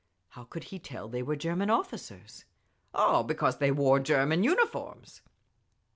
"How could he tell they were German officers?" "Oh, because they wore German uniforms!"